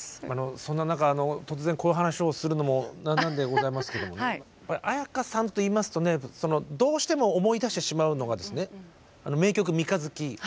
そんな中突然こういう話をするのもなんなんでございますけどもね絢香さんといいますとねどうしても思い出してしまうのがですね